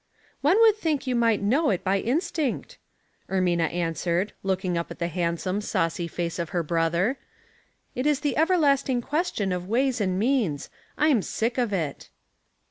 " One would think you might know it by instinct," Ermina answered, looking up at the handsome, saucy face of her brother. " It is the everlasting question of ways and means. I'm sick of it."